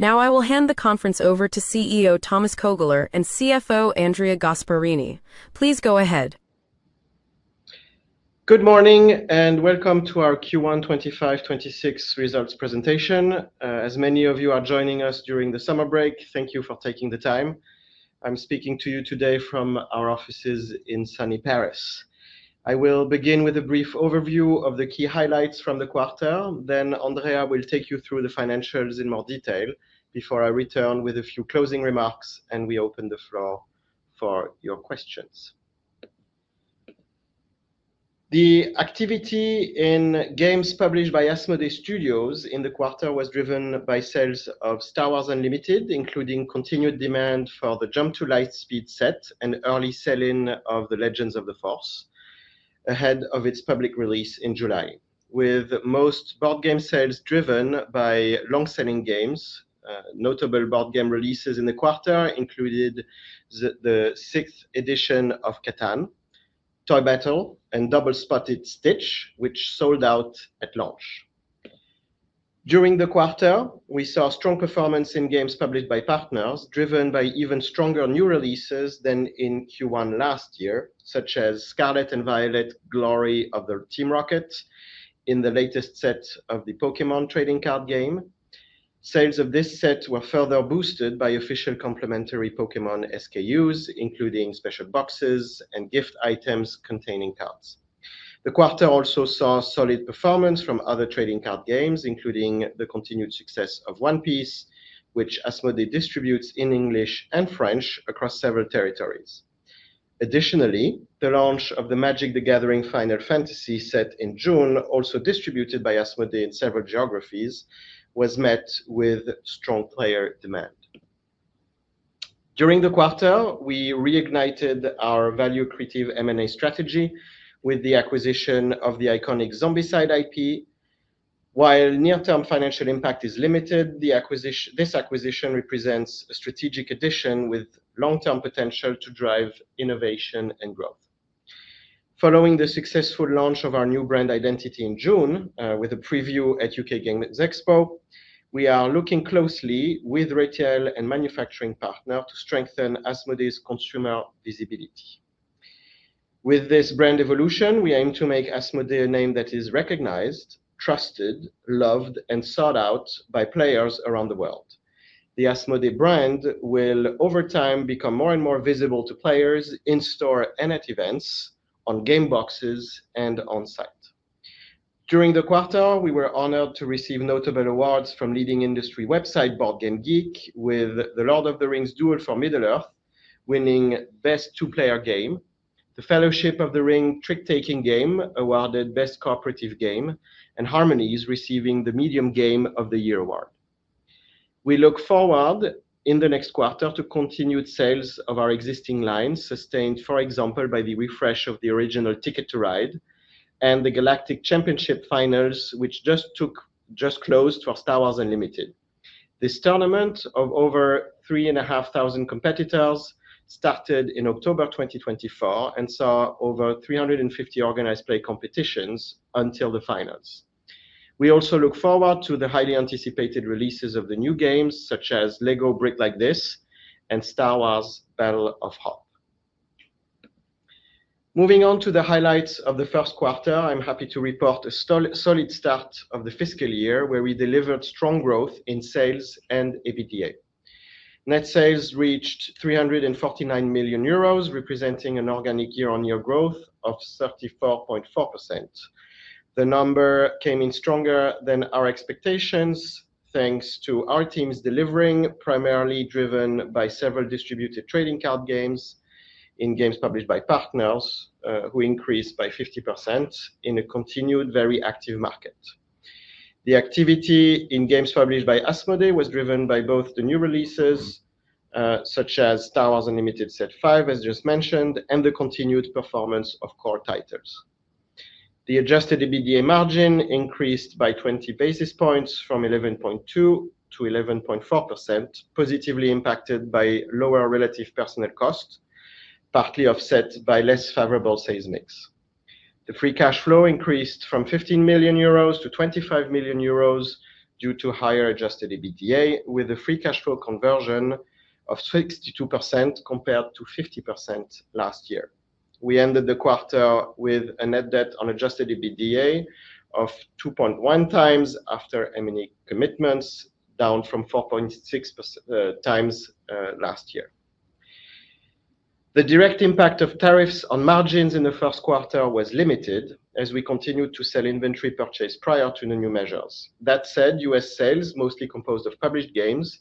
Now I will hand the conference over to CEO Thomas Kögler and CFO Andrea Gasparini. Please go ahead. Good morning and welcome to our Q1 2025-2026 results presentation. As many of you are joining us during the summer break, thank you for taking the time. I'm speaking to you today from our offices in Sunny Paris. I will begin with a brief overview of the key highlights from the quarter. Then Andrea will take you through the financials in more detail before I return with a few closing remarks and we open the floor for your questions. The activity in games published by Asmodee Studios in the quarter was driven by sales of Star Wars Unlimited, including continued demand for the Jump to Lightspeed set and early selling of The Legends of the Force ahead of its public release in July, with most board game sales driven by long-selling games. Notable board game releases in the quarter included CATAN® (6th edition), Toy Battle, and Double Spotted Stitch, which sold out at launch. During the quarter, we saw a strong performance in games published by partners, driven by even stronger new releases than in Q1 last year, such as Scarlet and Violet: Glory of Team Rocket in the latest set of the Pokémon trading card game. Sales of this set were further boosted by official complimentary Pokémon SKUs, including special boxes and gift items containing cards. The quarter also saw solid performance from other trading card games, including the continued success of One Piece, which Asmodee distributes in English and French across several territories. Additionally, the launch of the Magic: The Gathering Final Fantasy set in June, also distributed by Asmodee in several geographies, was met with strong player demand. During the quarter, we reignited our value creative M&A strategy with the acquisition of the iconic Zombicide IP. While near-term financial impact is limited, this acquisition represents a strategic addition with long-term potential to drive innovation and growth. Following the successful launch of our new brand identity in June, with a preview at U.K. Games Expo, we are looking closely with retail and manufacturing partners to strengthen Asmodee's consumer visibility. With this brand evolution, we aim to make Asmodee a name that is recognized, trusted, loved, and sought out by players around the world. The Asmodee brand will, over time, become more and more visible to players in-store and at events, on game boxes, and on site. During the quarter, we were honored to receive notable awards from leading industry website BoardGameGeek, with The Lord of the Rings: Duel for Middle-earth winning Best Two-Player Game, The Fellowship of the Ring: Trick Taking Game awarded Best Cooperative Game, and Harmonies receiving the Medium Game of the Year award. We look forward in the next quarter to continued sales of our existing lines, sustained, for example, by the refresh of the original Ticket to Ride and the Galactic Championship Finals, which just closed for Star Wars Unlimited. This tournament of over 3,500 competitors started in October 2024 and saw over 350 organized play competitions until the finals. We also look forward to the highly anticipated releases of the new games, such as LEGO Brick Like This and Star Wars: Battle of Hoth. Moving on to the highlights of the first quarter, I'm happy to report a solid start of the fiscal year where we delivered strong growth in sales and EBITDA. Net sales reached 349 million euros, representing an organic year-on-year growth of 34.4%. The number came in stronger than our expectations, thanks to our teams delivering, primarily driven by several distributed trading card games and games published by partners, which increased by 50% in a continued, very active market. The activity in games published by Asmodee was driven by both the new releases, such as Star Wars Unlimited set five, as just mentioned, and the continued performance of core titles. The adjusted EBITDA margin increased by 20 basis points from 11.2%-1.4%, positively impacted by lower relative personnel cost, partly offset by less favorable sales mix. The free cash flow increased from 15 million-25 million euros due to higher adjusted EBITDA, with a free cash flow conversion of 62% compared to 50% last year. We ended the quarter with a net debt to adjusted EBITDA of 2.1x after M&A commitments, down from 4.6x last year. The direct impact of tariffs on margins in the first quarter was limited as we continued to sell inventory purchased prior to the new measures. That said, U.S. sales, mostly composed of published games,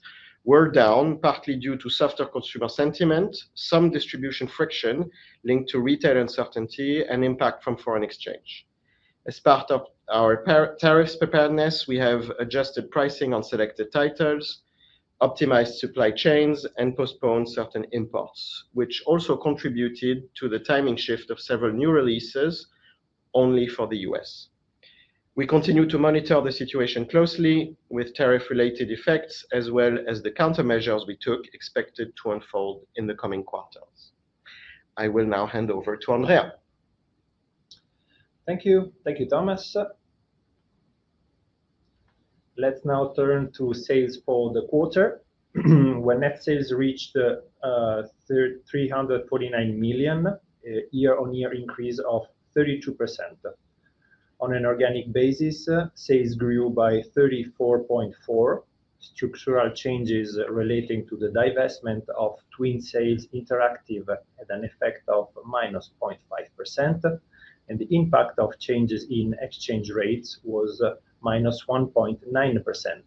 were down, partly due to softer consumer sentiment, some distribution friction linked to retail uncertainty, and impact from foreign exchange. As part of our tariff preparedness, we have adjusted pricing on selected titles, optimized supply chains, and postponed certain imports, which also contributed to the timing shift of several new releases only for the U.S. We continue to monitor the situation closely with tariff-related effects, as well as the countermeasures we took, expected to unfold in the coming quarters. I will now hand over to Andrea. Thank you. Thank you, Thomas. Let's now turn to sales for the quarter, where net sales reached 349 million, a year-on-year increase of 32%. On an organic basis, sales grew by 34.4%. Structural changes relating to the divestment of Twin Sails Interactive had an effect of -0.5%, and the impact of changes in exchange rates was -1.9%.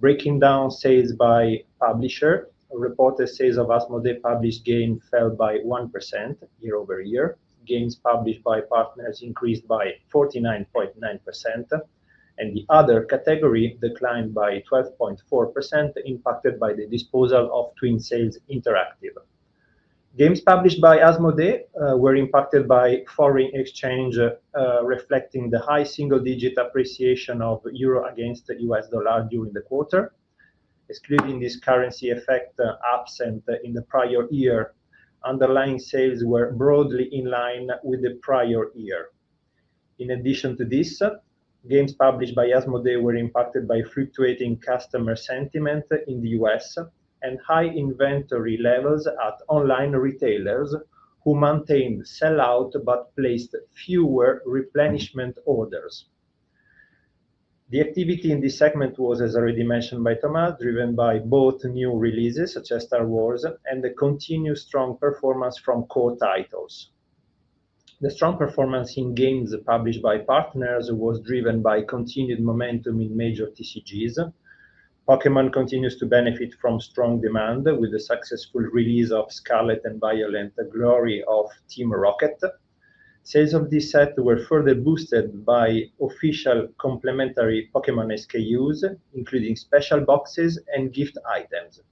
Breaking down sales by publisher, reported sales of Asmodee published games fell by 1% year-over-year. Games published by partners increased by 49.9%, and the other category declined by 12.4%, impacted by the disposal of Twin Sails Interactive. Games published by Asmodee were impacted by foreign exchange, reflecting the high single-digit appreciation of the euro against the U.S. dollar during the quarter. Excluding this currency effect absent in the prior year, underlying sales were broadly in line with the prior year. In addition to this, games published by Asmodee were impacted by fluctuating customer sentiment in the U.S. and high inventory levels at online retailers who maintained sellout but placed fewer replenishment orders. The activity in this segment was, as already mentioned by Thomas, driven by both new releases such as Star Wars and the continued strong performance from core titles. The strong performance in games published by partners was driven by continued momentum in major TCGs. Pokémon continues to benefit from strong demand with the successful release of Scarlet and Violet: Glory of Team Rocket. Sales of this set were further boosted by official complimentary Pokémon SKUs, including special boxes and gift items.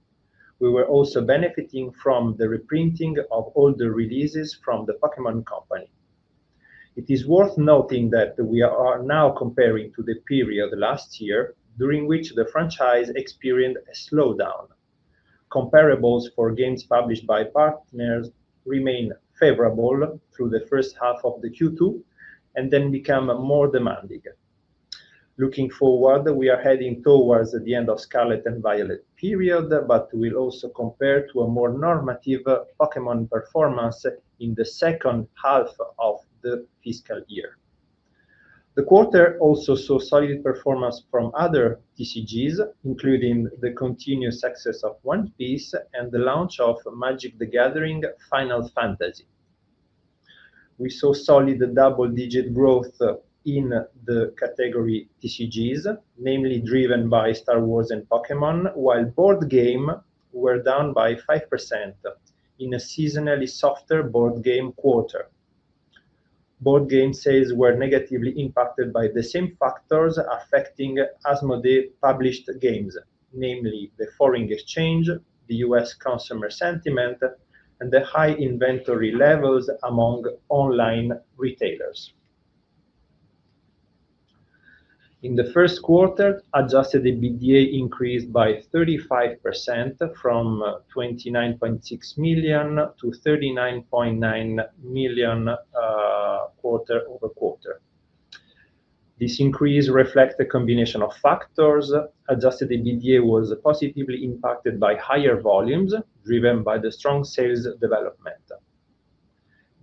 We were also benefiting from the reprinting of older releases from The Pokémon Company. It is worth noting that we are now comparing to the period last year, during which the franchise experienced a slowdown. Comparables for games published by partners remain favorable through the first half of Q2 and then become more demanding. Looking forward, we are heading towards the end of the Scarlet and Violet period, but we'll also compare to a more normative Pokémon performance in the second half of the fiscal year. The quarter also saw solid performance from other TCGs, including the continued success of One Piece and the launch of Magic: The Gathering Final Fantasy. We saw solid double-digit growth in the category TCGs, namely driven by Star Wars and Pokémon, while board games were down by 5% in a seasonally softer board game quarter. Board game sales were negatively impacted by the same factors affecting Asmodee-published games, namely the foreign exchange, the U.S. consumer sentiment, and the high inventory levels among online retailers. In the first quarter, adjusted EBITDA increased by 35% from 29.6 million to 39.9 million quarter-over-quarter. This increase reflects the combination of factors. Adjusted EBITDA was positively impacted by higher volumes driven by the strong sales development.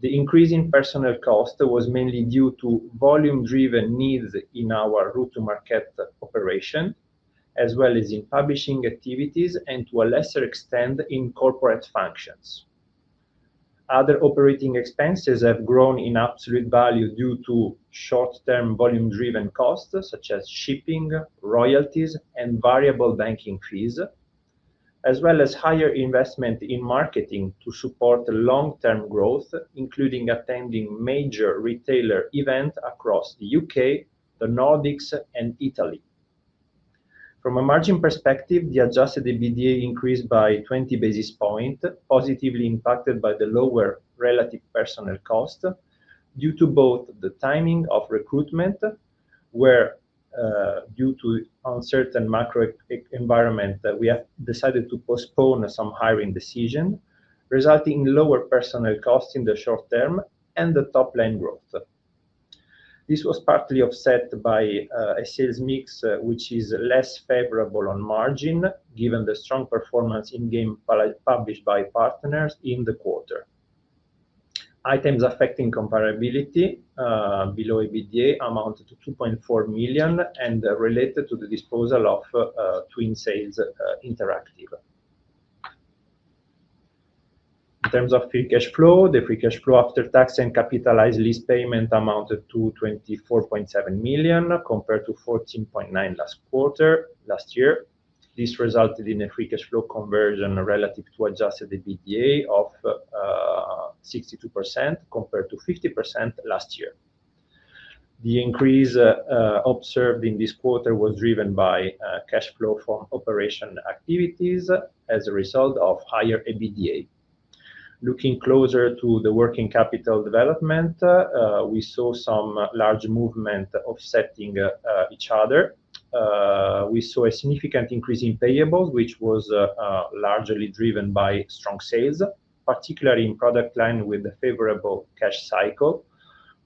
The increase in personnel cost was mainly due to volume-driven needs in our route-to-market operation, as well as in publishing activities, and to a lesser extent in corporate functions. Other operating expenses have grown in absolute value due to short-term volume-driven costs, such as shipping, royalties, and variable banking fees, as well as higher investment in marketing to support long-term growth, including attending major retailer events across the U.K., the Nordics, and Italy. From a margin perspective, the adjusted EBITDA increased by 20 basis points, positively impacted by the lower relative personnel cost due to both the timing of recruitment, where due to uncertain macro environment, we have decided to postpone some hiring decisions, resulting in lower personnel costs in the short term and the top-line growth. This was partly offset by a sales mix which is less favorable on margin, given the strong performance in games published by partners in the quarter. Items affecting comparability below EBITDA amount to 2.4 million and related to the disposal of Twin Sails Interactive. In terms of free cash flow, the free cash flow after tax and capitalized lease payment amounted to 24.7 million compared to 14.9 million last quarter last year. This resulted in a free cash flow conversion relative to adjusted EBITDA of 62% compared to 50% last year. The increase observed in this quarter was driven by cash flow for operation activities as a result of higher EBITDA. Looking closer to the working capital development, we saw some large movement offsetting each other. We saw a significant increase in payables, which was largely driven by strong sales, particularly in product line with a favorable cash cycle,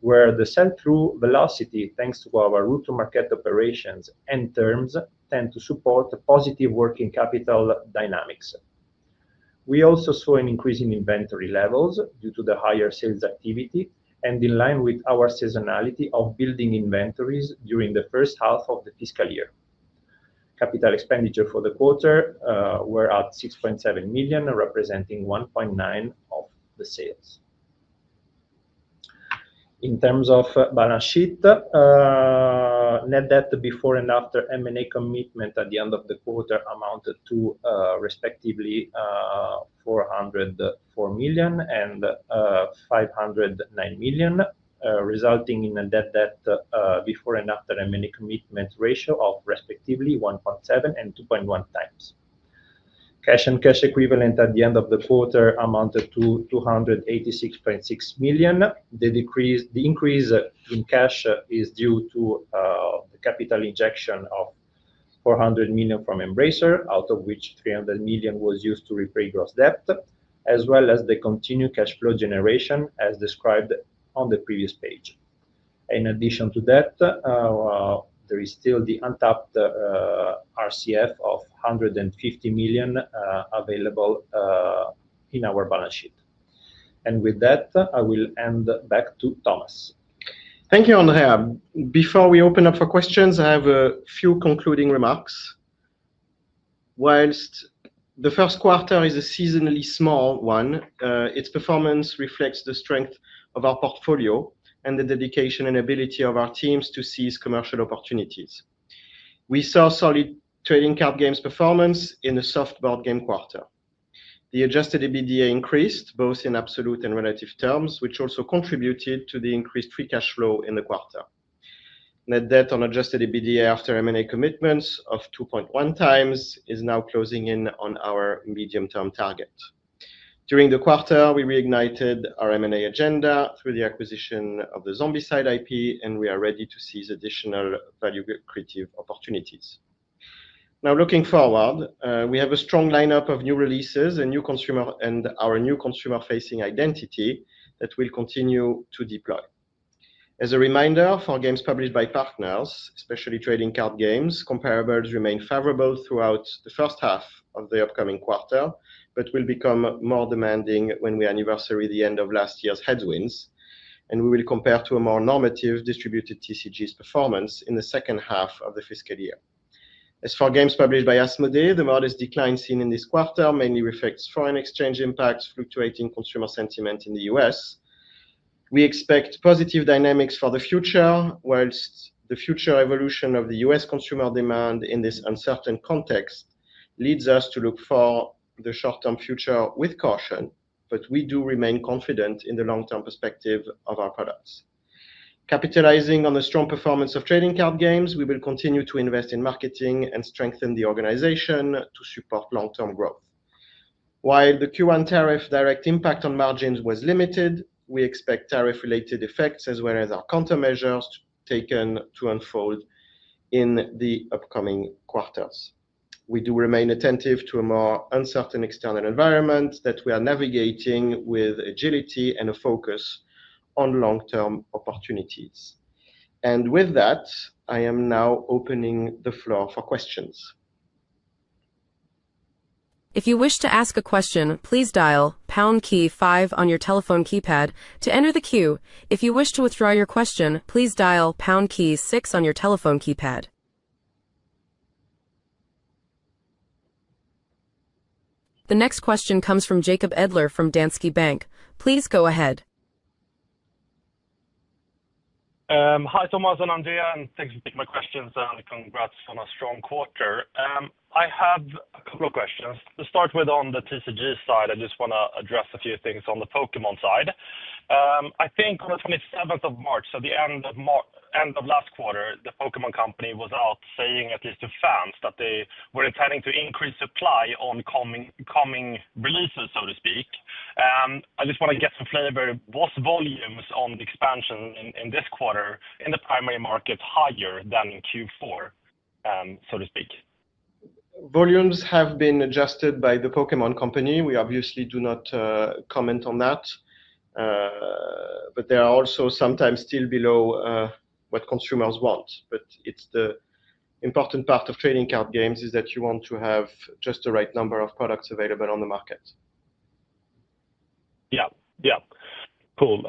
where the sent through velocity, thanks to our route-to-market operations and terms, tend to support positive working capital dynamics. We also saw an increase in inventory levels due to the higher sales activity and in line with our seasonality of building inventories during the first half of the fiscal year. Capital expenditure for the quarter was at 6.7 million, representing 1.9% of the sales. In terms of balance sheet, net debt before and after M&A commitment at the end of the quarter amounted to respectively 404 million and 509 million, resulting in a net debt before and after M&A commitment ratio of respectively 1.7 and 2.1 times. Cash and cash equivalent at the end of the quarter amounted to 286.6 million. The increase in cash is due to the capital injection of 400 million from Embracer, out of which 300 million was used to repay gross debt, as well as the continued cash flow generation as described on the previous page. In addition to that, there is still the untapped RCF of 150 million available in our balance sheet. With that, I will hand back to Thomas. Thank you, Andrea. Before we open up for questions, I have a few concluding remarks. Whilst the first quarter is a seasonally small one, its performance reflects the strength of our portfolio and the dedication and ability of our teams to seize commercial opportunities. We saw solid trading card games performance in the soft board game quarter. The adjusted EBITDA increased both in absolute and relative terms, which also contributed to the increased free cash flow in the quarter. Net debt on adjusted EBITDA after M&A commitments of 2.1x is now closing in on our medium-term target. During the quarter, we reignited our M&A agenda through the acquisition of the Zombicide IP, and we are ready to seize additional value creative opportunities. Now, looking forward, we have a strong lineup of new releases and our new consumer-facing identity that we'll continue to deploy. As a reminder, for games published by partners, especially trading card games, comparables remain favorable throughout the first half of the upcoming quarter, but will become more demanding when we anniversary the end of last year's headwinds, and we will compare to a more normative distributed TCG's performance in the second half of the fiscal year. As for games published by Asmodee, the modest decline seen in this quarter mainly reflects foreign exchange impacts, fluctuating consumer sentiment in the U.S. We expect positive dynamics for the future, whilst the future evolution of the U.S. consumer demand in this uncertain context leads us to look for the short-term future with caution, but we do remain confident in the long-term perspective of our products. Capitalizing on the strong performance of trading card games, we will continue to invest in marketing and strengthen the organization to support long-term growth. While the Q1 tariff direct impact on margins was limited, we expect tariff-related effects, as well as our countermeasures, to be taken to unfold in the upcoming quarters. We do remain attentive to a more uncertain external environment that we are navigating with agility and a focus on long-term opportunities. With that, I am now opening the floor for questions. If you wish to ask a question, please dial pound key five on your telephone keypad to enter the queue. If you wish to withdraw your question, please dial pound key six on your telephone keypad. The next question comes from Jacob Edler from Danske Bank. Please go ahead. Hi, Thomas and Andrea, and thanks for taking my questions, and congrats on a strong quarter. I have a couple of questions. To start with, on the TCG side, I just want to address a few things on the Pokémon side. I think on the 27th of March, at the end of last quarter, the Pokémon Company was out saying at least to fans that they were intending to increase supply on coming releases, so to speak. I just want to get some flavor. Was volumes on the expansion in this quarter in the primary market higher than in Q4, so to speak? Volumes have been adjusted by the Pokémon Company. We obviously do not comment on that, but they are also sometimes still below what consumers want. The important part of trading card games is that you want to have just the right number of products available on the market. Yeah, cool.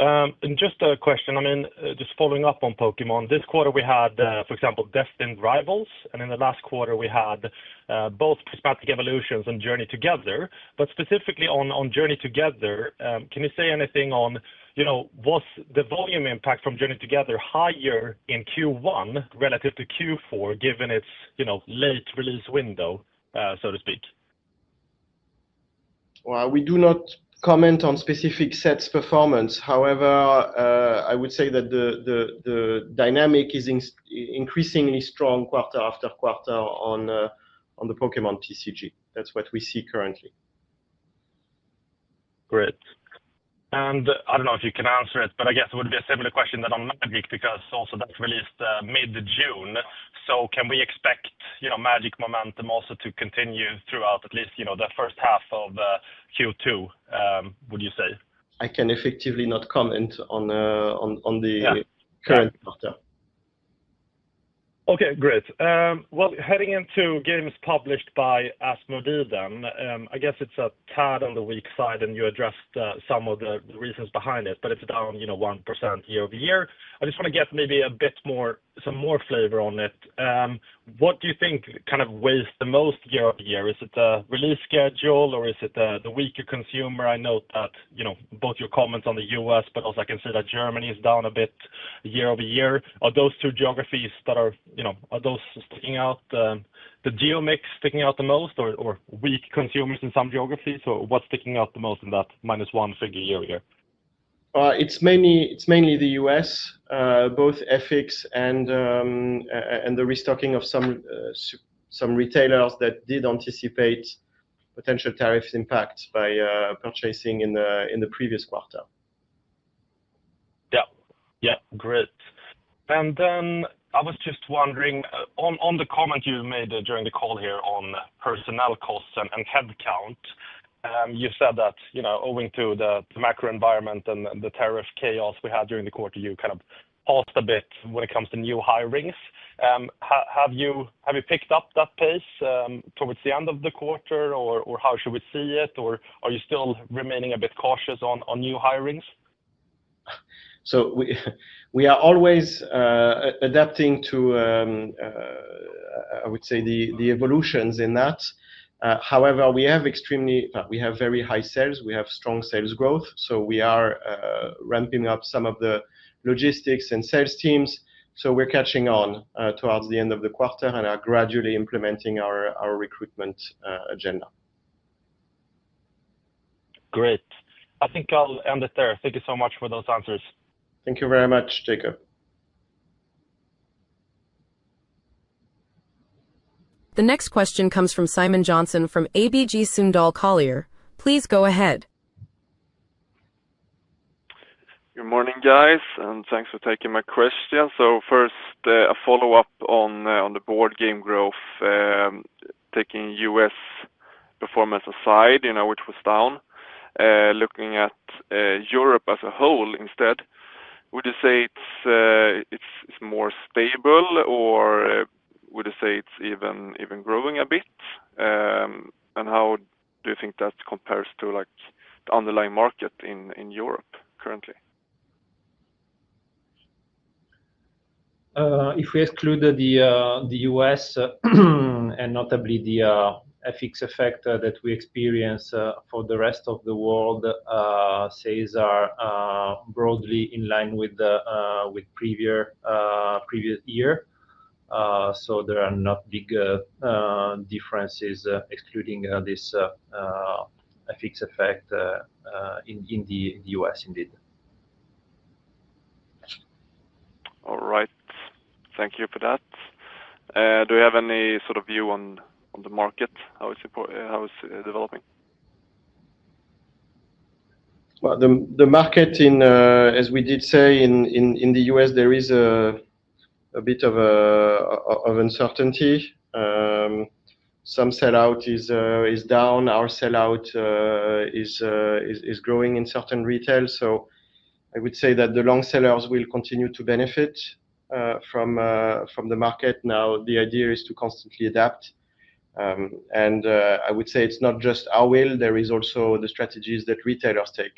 Just a question, I mean, just following up on Pokémon, this quarter we had, for example, Destined Rivals, and in the last quarter we had both Prismatic Evolutions and Journey Together. Specifically on Journey Together, can you say anything on, you know, was the volume impact from Journey Together higher in Q1 relative to Q4, given its late release window, so to speak? We do not comment on specific sets' performance. However, I would say that the dynamic is increasingly strong quarter after quarter on the Pokémon TCG. That's what we see currently. I don't know if you can answer it, but I guess it would be a similar question on Magic because also that's released mid-June. Can we expect Magic momentum also to continue throughout at least the first half of Q2, would you say? I can effectively not comment on the current quarter. Okay, great. Heading into games published by Asmodee then, I guess it's a tad on the weak side, and you addressed some of the reasons behind it, but it's down, you know, 1% year-over-year. I just want to get maybe a bit more, some more flavor on it. What do you think kind of weighs the most year-over-year? Is it the release schedule, or is it the weaker consumer? I know that, you know, both your comments on the U.S., but also I can see that Germany is down a bit year-over-year. Are those two geographies that are, you know, are those sticking out? The geo mix sticking out the most, or weak consumers in some geographies? Or what's sticking out the most in that -1% figure year-over-year? It's mainly the US, both ethics and the restocking of some retailers that did anticipate potential tariff impacts by purchasing in the previous quarter. Great. I was just wondering on the comment you made during the call here on personnel costs and headcount. You said that, owing to the macro environment and the tariff chaos we had during the quarter, you kind of paused a bit when it comes to new hirings. Have you picked up that pace towards the end of the quarter, or how should we see it? Are you still remaining a bit cautious on new hirings? We are always adapting to, I would say, the evolutions in that. However, we have extremely, we have very high sales. We have strong sales growth. We are ramping up some of the logistics and sales teams. We're catching on towards the end of the quarter and are gradually implementing our recruitment agenda. Great. I think I'll end it there. Thank you so much for those answers. Thank you very much, Jacob. The next question comes from Simon Jansson from ABG Sundal Collier. Please go ahead. Good morning, guys, and thanks for taking my question. First, a follow-up on the board game growth. Taking U.S. performance aside, which was down, looking at Europe as a whole instead, would you say it's more stable, or would you say it's even growing a bit? How do you think that compares to the underlying market in Europe currently? If we exclude the U.S. and notably the FX effect that we experience for the rest of the world, sales are broadly in line with the previous year. There are not big differences excluding this FX effect in the U.S., indeed. All right. Thank you for that. Do we have any sort of view on the market, how is it developing? The market in, as we did say, in the U.S., there is a bit of uncertainty. Some sellout is down. Our sellout is growing in certain retail. I would say that the long sellers will continue to benefit from the market. The idea is to constantly adapt. I would say it's not just our will. There are also the strategies that retailers take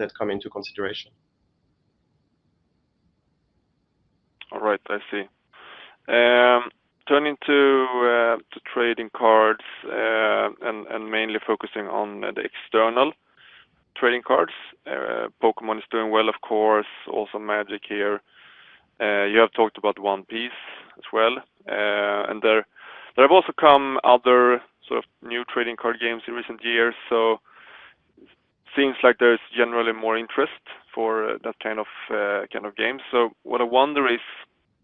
that come into consideration. All right, I see. Turning to trading cards and mainly focusing on the external trading cards, Pokémon is doing well, of course. Also Magic here. You have talked about One Piece as well. There have also come other sort of new trading card games in recent years. It seems like there's generally more interest for that kind of games. What I wonder is,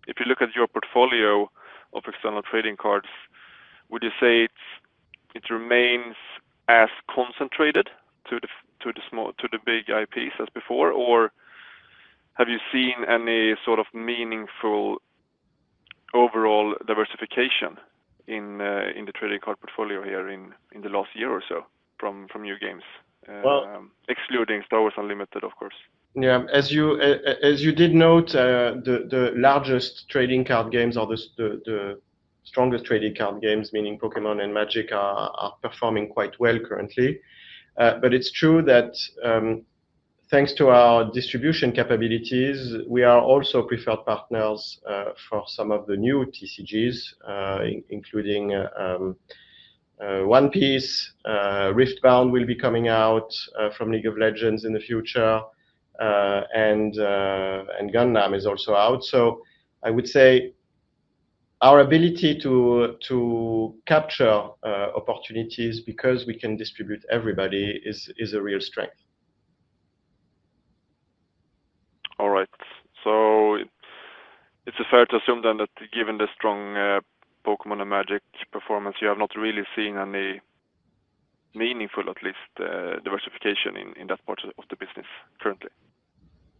if you look at your portfolio of external trading cards, would you say it remains as concentrated to the big IPs as before, or have you seen any sort of meaningful overall diversification in the trading card portfolio here in the last year or so from new games? Well. Excluding Star Wars Unlimited, of course. Yeah, as you did note, the largest trading card games are the strongest trading card games, meaning Pokémon and Magic: The Gathering are performing quite well currently. It's true that thanks to our distribution capabilities, we are also preferred partners for some of the new TCGs, including One Piece. Riftbound will be coming out from League of Legends in the future. Gundam is also out. I would say our ability to capture opportunities because we can distribute everybody is a real strength. All right. It is fair to assume then that given the strong Pokémon and Magic: The Gathering performance, you have not really seen any meaningful, at least, diversification in that part of the business currently.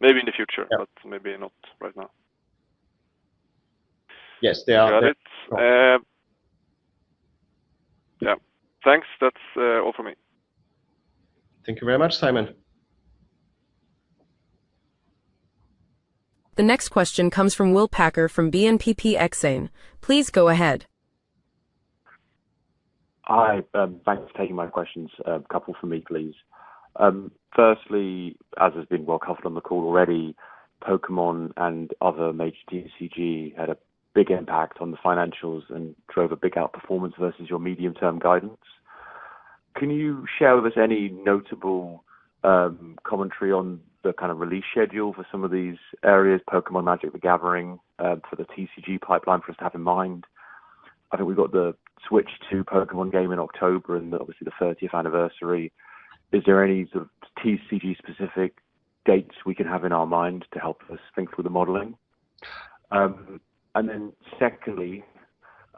Maybe in the future, but maybe not right now. Yes, they are. Got it. Yeah, thanks. That's all for me. Thank you very much, Simon. The next question comes from Will Packer from BNP Paribas Exane. Please go ahead. Hi, thanks for taking my questions. A couple for me, please. Firstly, as has been well covered on the call already, Pokémon and other major TCG had a big impact on the financials and drove a big outperformance versus your medium-term guidance. Can you share with us any notable commentary on the kind of release schedule for some of these areas, Pokémon, Magic: The Gathering, for the TCG pipeline for us to have in mind? I think we've got the switch to Pokémon game in October and obviously the 30th anniversary. Is there any sort of TCG-specific dates we can have in our mind to help us think through the modeling? Secondly,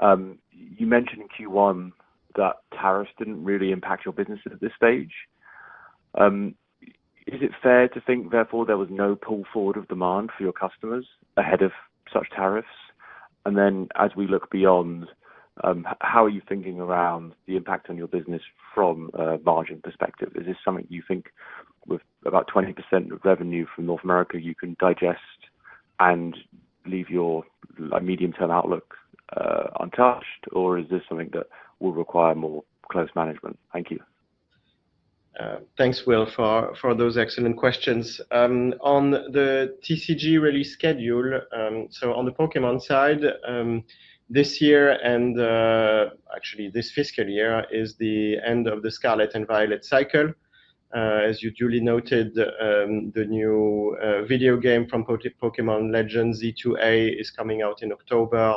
you mentioned in Q1 that tariffs didn't really impact your business at this stage. Is it fair to think, therefore, there was no pull forward of demand for your customers ahead of such tariffs? As we look beyond, how are you thinking around the impact on your business from a margin perspective? Is this something you think with about 20% of revenue from North America you can digest and leave your medium-term outlook untouched, or is this something that will require more close management? Thank you. Thanks, Will, for those excellent questions. On the TCG release schedule, on the Pokémon side, this year and actually this fiscal year is the end of the Scarlet and Violet cycle. As you duly noted, the new video game from Pokémon Legends Z2A is coming out in October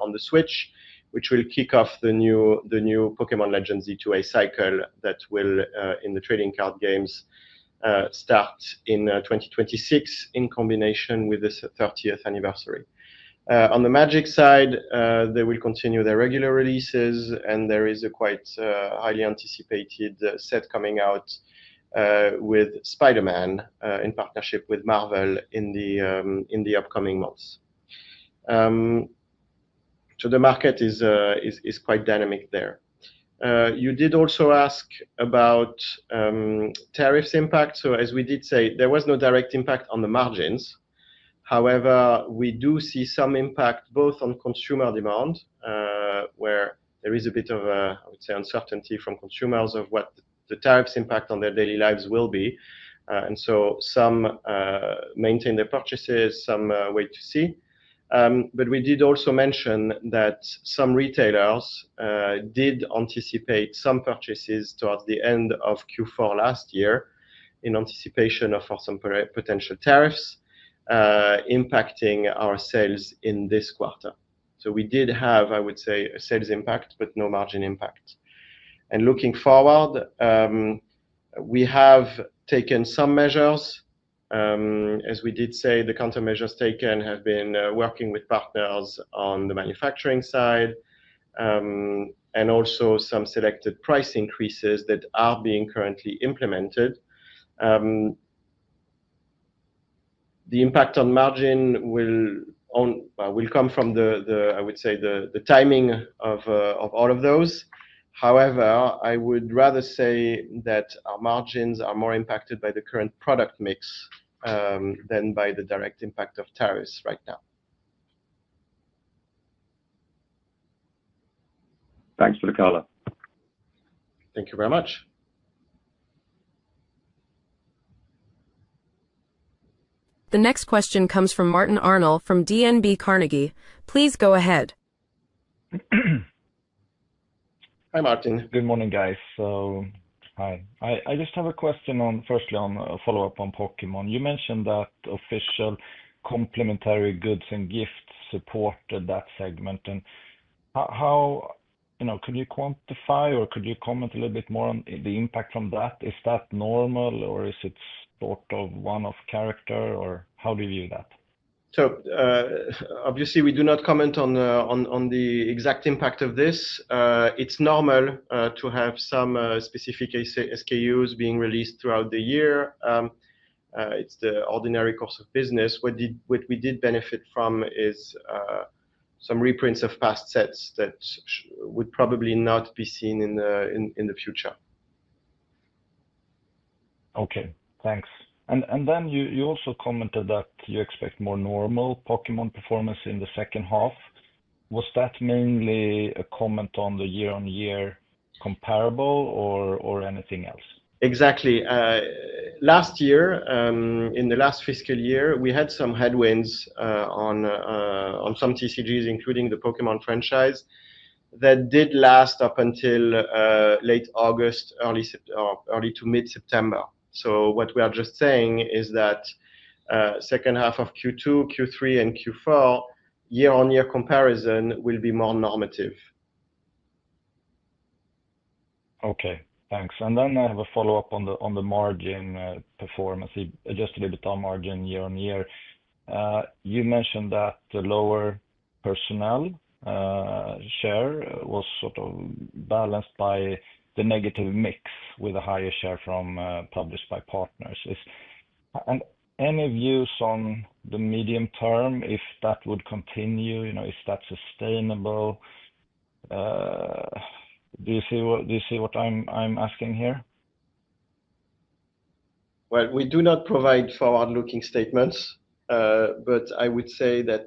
on the Switch, which will kick off the new Pokémon Legends Z2A cycle that will, in the trading card games, start in 2026 in combination with the 30th anniversary. On the Magic side, they will continue their regular releases, and there is a quite highly anticipated set coming out with Spider-Man in partnership with Marvel in the upcoming months. The market is quite dynamic there. You also asked about tariffs impact. As we did say, there was no direct impact on the margins. However, we do see some impact both on consumer demand, where there is a bit of, I would say, uncertainty from consumers of what the tariffs impact on their daily lives will be. Some maintain their purchases, some wait to see. We did also mention that some retailers did anticipate some purchases towards the end of Q4 last year in anticipation of, for example, potential tariffs impacting our sales in this quarter. We did have, I would say, a sales impact, but no margin impact. Looking forward, we have taken some measures. As we did say, the countermeasures taken have been working with partners on the manufacturing side and also some selected price increases that are being currently implemented. The impact on margin will come from the timing of all of those. However, I would rather say that our margins are more impacted by the current product mix than by the direct impact of tariffs right now. Thanks for the color. Thank you very much. The next question comes from Martin Arnell from DNB Carnegie. Please go ahead. Hi, Martin. Good morning, guys. I just have a question, firstly, on a follow-up on Pokémon. You mentioned that official complimentary goods and gifts supported that segment. Could you quantify or comment a little bit more on the impact from that? Is that normal, or is it sort of one of character, or how do you view that? We do not comment on the exact impact of this. It's normal to have some specific SKUs being released throughout the year. It's the ordinary course of business. What we did benefit from is some reprints of past sets that would probably not be seen in the future. Okay, thanks. You also commented that you expect more normal Pokémon performance in the second half. Was that mainly a comment on the year-on-year comparable or anything else? Exactly. Last year, in the last fiscal year, we had some headwinds on some TCGs, including the Pokémon franchise, that did last up until late August, early to mid-September. What we are just saying is that second half of Q2, Q3, and Q4, year-on-year comparison will be more normative. Okay, thanks. I have a follow-up on the margin performance. Just a little bit on margin year-on-year. You mentioned that the lower personnel share was sort of balanced by the negative mix with a higher share from published by partners. Any views on the medium term if that would continue, you know, if that's sustainable? Do you see what I'm asking here? We do not provide forward-looking statements, but I would say that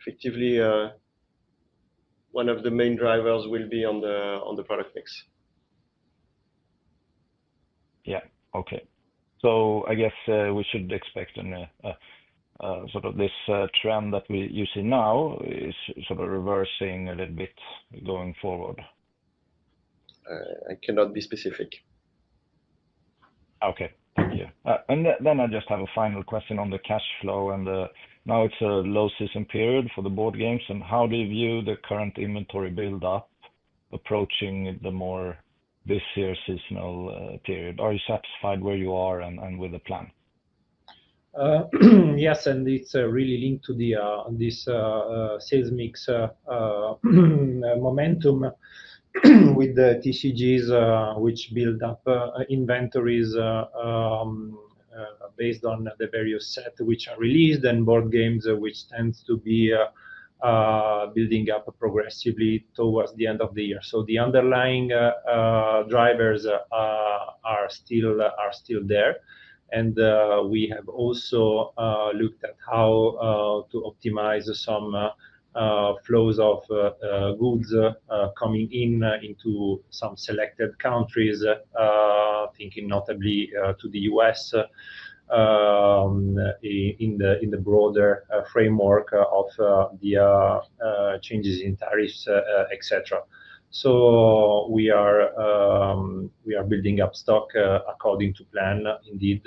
effectively, one of the main drivers will be on the product mix. Okay, I guess we should expect this trend that you see now is reversing a little bit going forward. I cannot be specific. Okay, good to hear. I just have a final question on the cash flow. Now it's a low season period for the board games. How do you view the current inventory buildup approaching the more busier seasonal period? Are you satisfied where you are and with the plan? Yes, and it's really linked to this sales mix momentum with the TCGs, which build up inventories based on the various sets which are released, and board games, which tend to be building up progressively towards the end of the year. The underlying drivers are still there. We have also looked at how to optimize some flows of goods coming into some selected countries, thinking notably to the U.S. in the broader framework of the changes in tariffs, etc. We are building up stock according to plan, indeed,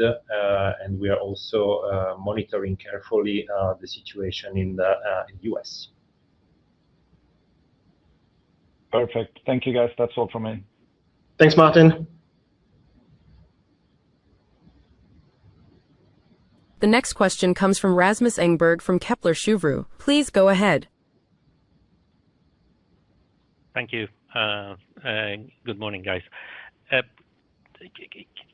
and we are also monitoring carefully the situation in the U.S. Perfect. Thank you, guys. That's all for me. Thanks, Martin. The next question comes from Rasmus Engberg from Kepler Cheuvreux. Please go ahead. Thank you. Good morning, guys.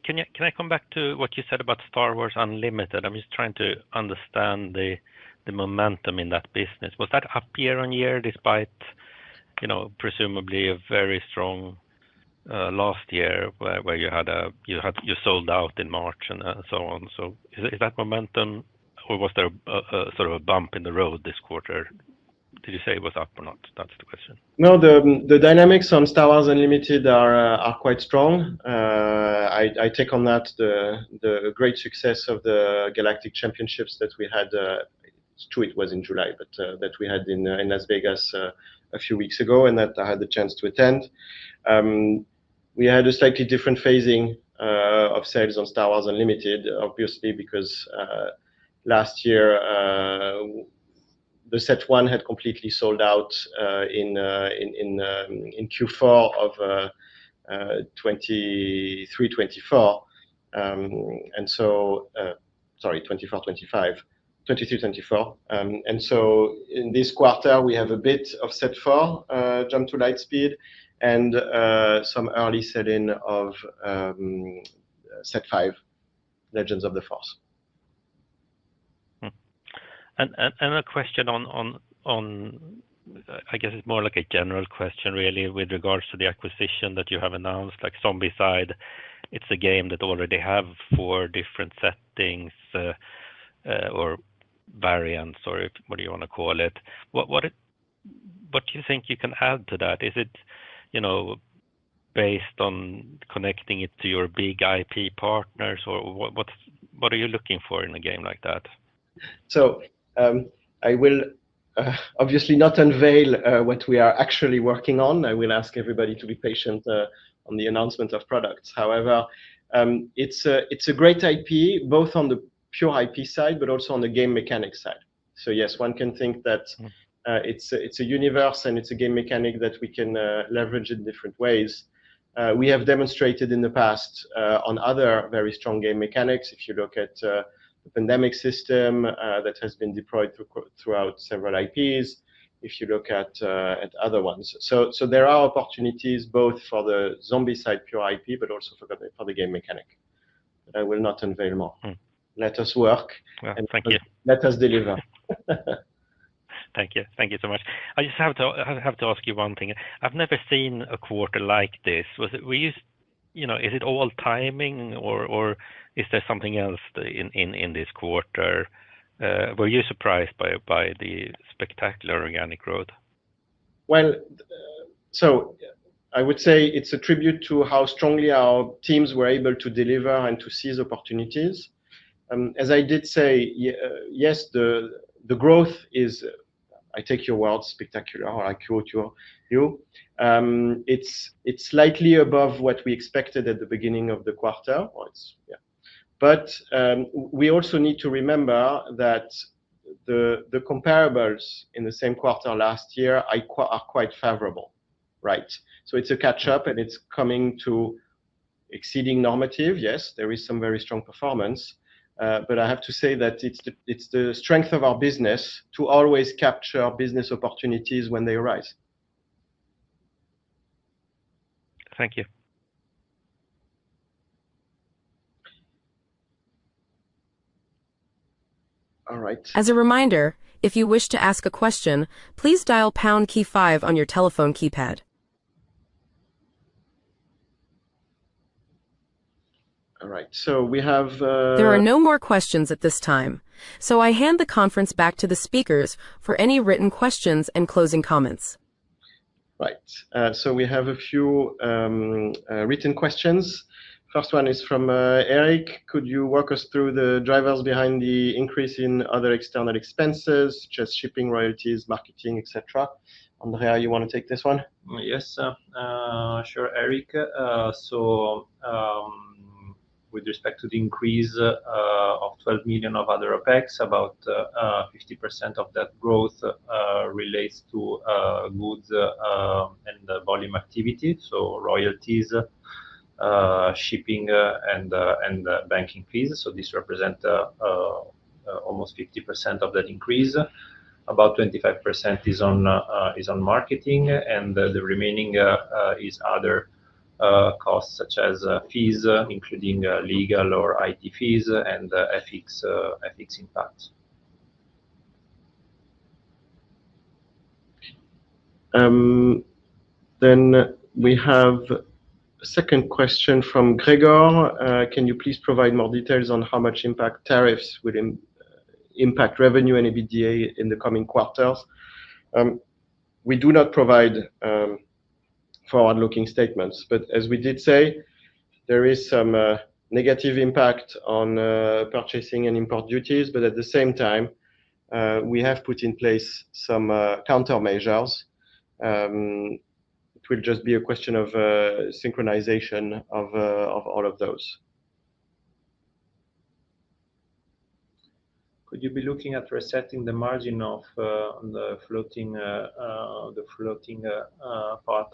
Can I come back to what you said about Star Wars Unlimited? I'm just trying to understand the momentum in that business. Was that up year on year despite, you know, presumably a very strong last year where you had, you sold out in March and so on? Is that momentum or was there a sort of a bump in the road this quarter? Did you say it was up or not? That's the question. No, the dynamics on Star Wars Unlimited are quite strong. I take on that the great success of the Galactic Championships that we had. It was in July, but that we had in Las Vegas a few weeks ago and that I had the chance to attend. We had a slightly different phasing of sales on Star Wars Unlimited, obviously, because last year the set one had completely sold out in Q4 of 2023-2024. In this quarter, we have a bit of set four, Jump to Lightspeed, and some early selling of set five, Legends of the Force. I have a question, I guess it's more like a general question really with regards to the acquisition that you have announced, like Zombicide. It's a game that already has four different settings or variants, or what do you want to call it? What do you think you can add to that? Is it, you know, based on connecting it to your big IP partners or what are you looking for in a game like that? I will obviously not unveil what we are actually working on. I will ask everybody to be patient on the announcement of products. However, it's a great IP both on the pure IP side, but also on the game mechanic side. Yes, one can think that it's a universe and it's a game mechanic that we can leverage in different ways. We have demonstrated in the past on other very strong game mechanics. If you look at the Pandemic system that has been deployed throughout several IPs, if you look at other ones. There are opportunities both for the Zombicide pure IP, but also for the game mechanic. I will not unveil more. Let us work. Thank you. Let us deliver. Thank you. Thank you so much. I just have to ask you one thing. I've never seen a quarter like this. Were you, you know, is it all timing, or is there something else in this quarter? Were you surprised by the spectacular organic growth? I would say it's a tribute to how strongly our teams were able to deliver and to seize opportunities. As I did say, yes, the growth is, I take your words, spectacular, or I quote you. It's slightly above what we expected at the beginning of the quarter. We also need to remember that the comparables in the same quarter last year are quite favorable, right? It's a catch-up and it's coming to exceeding normative. Yes, there is some very strong performance. I have to say that it's the strength of our business to always capture business opportunities when they arise. Thank you. All right. As a reminder, if you wish to ask a question, please dial the pound key five on your telephone keypad. All right, we have. There are no more questions at this time. I hand the conference back to the speakers for any written questions and closing comments. Right. We have a few written questions. The first one is from Eric. Could you walk us through the drivers behind the increase in other external expenses, just shipping, royalties, marketing, etc.? Andrea, you want to take this one? Yes, sir. Sure, Eric. With respect to the increase of $12 million of other OpEx, about 50% of that growth relates to goods and volume activity, such as royalties, shipping, and banking fees. This represents almost 50% of that increase. About 25% is on marketing, and the remaining is other costs, such as fees, including legal or IT fees and ethics impacts. We have a second question from Gregor. Can you please provide more details on how much impact tariffs will impact revenue and EBITDA in the coming quarters? We do not provide forward-looking statements, but as we did say, there is some negative impact on purchasing and import duties. At the same time, we have put in place some countermeasures. It will just be a question of synchronization of all of those. Could you be looking at resetting the margin of the floating part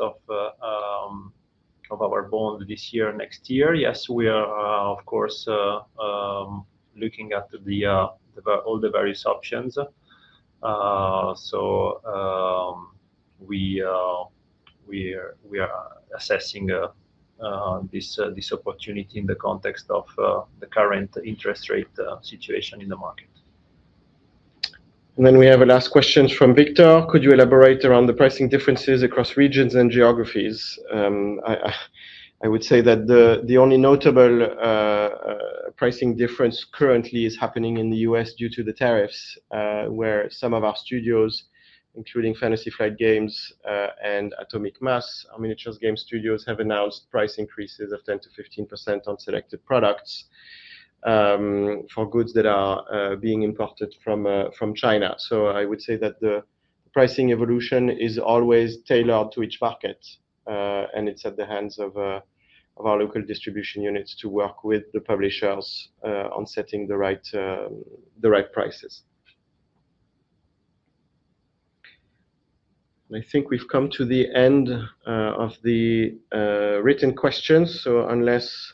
of our bond this year and next year? Yes, we are, of course, looking at all the various options. We are assessing this opportunity in the context of the current interest rate situation in the market. We have a last question from Victor. Could you elaborate around the pricing differences across regions and geographies? I would say that the only notable pricing difference currently is happening in the U.S. due to the tariffs, where some of our studios, including Fantasy Flight Games and Atomic Mass, our miniatures game studios, have announced price increases of 10% to 15% on selected products for goods that are being imported from China. I would say that the pricing evolution is always tailored to each market, and it's at the hands of our local distribution units to work with the publishers on setting the right prices. I think we've come to the end of the written questions. Unless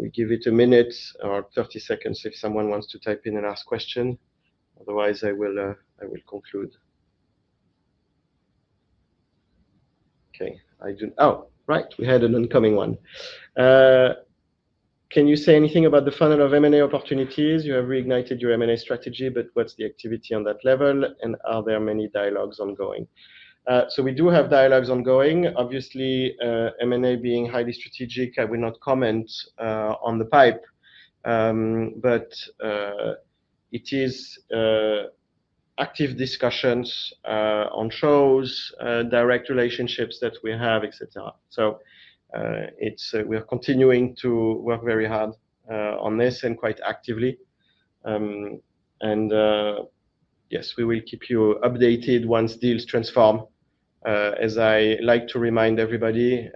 we give it a minute or 30 seconds, if someone wants to type in and ask questions, otherwise I will conclude. Oh, right, we had an incoming one. Can you say anything about the funnel of M&A opportunities? You have reignited your M&A strategy, but what's the activity on that level, and are there many dialogues ongoing? We do have dialogues ongoing. Obviously, M&A being highly strategic, I will not comment on the pipe, but it is active discussions on shows, direct relationships that we have, etc. We are continuing to work very hard on this and quite actively. Yes, we will keep you updated once deals transform. As I like to remind everybody,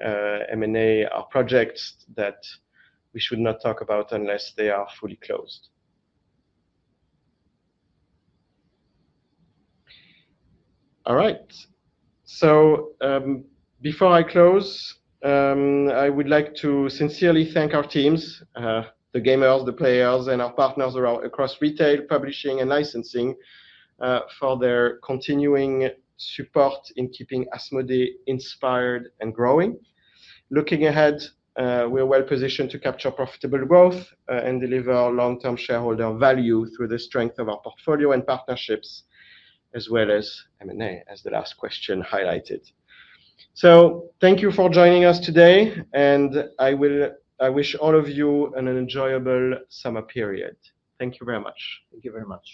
M&A are projects that we should not talk about unless they are fully closed. Before I close, I would like to sincerely thank our teams, the gamers, the players, and our partners across retail, publishing, and licensing for their continuing support in keeping Asmodee inspired and growing. Looking ahead, we're well positioned to capture profitable growth and deliver long-term shareholder value through the strength of our portfolio and partnerships, as well as M&A, as the last question highlighted. Thank you for joining us today, and I wish all of you an enjoyable summer period. Thank you very much. Thank you very much.